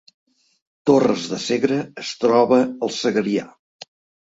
Torres de Segre es troba al Segrià